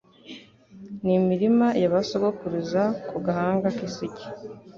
N'imirima ya ba sogokuruza ku gahanga k'isugi